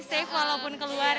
stay safe walaupun keluar ya